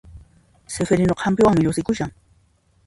Sifirinuqa hampiwanmi llusikushan